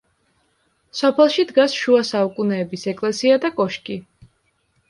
სოფელში დგას შუა საუკუნეების ეკლესია და კოშკი.